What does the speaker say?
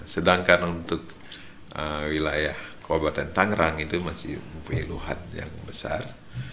sedangkan untuk wilayah kabupaten tangerang itu masih mempunyai luhad yang besar